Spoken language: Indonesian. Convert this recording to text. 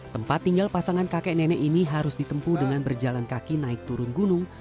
tempat tinggal pasangan kakek nenek ini harus ditempu dengan berjalan kaki naik turun gunung